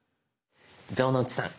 城之内さん